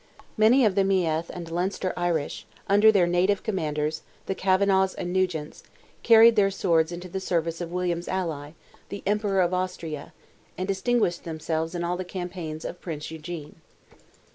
Many of the Meath and Leinster Irish, under their native commanders, the Kavanaghs and Nugents, carried their swords into the service of William's ally, the Emperor of Austria, and distinguished themselves in all the campaigns of Prince Eugene.